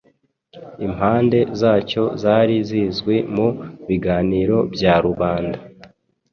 Impande zacyo zari zizwi mu biganiro bya rubanda